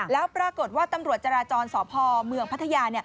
แล้วปรากฏว่าตำรวจจราจรสพเมืองพัทยา